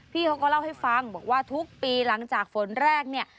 พี่เขาก็เล่าให้ฟังบอกว่าทุกปีหลังจากฝนแรกเนี่ย